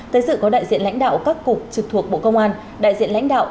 tới sự có đại diện lãnh đạo các cục trực thuộc bộ công an đại diện lãnh đạo